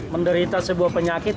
menderita sebuah penyakit